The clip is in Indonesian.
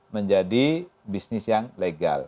menjadi bisnis yang legal